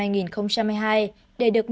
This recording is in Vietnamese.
để được miễn dựng